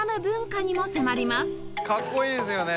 かっこいいですよね。